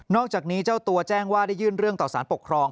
อกจากนี้เจ้าตัวแจ้งว่าได้ยื่นเรื่องต่อสารปกครอง